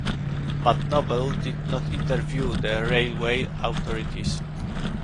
But Noble did not interview the railway authorities.